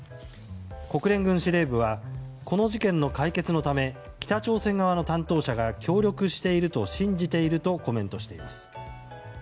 国連軍司令部はこの事件の解決のため北朝鮮側の担当者が協力していると信じているとコメントしています。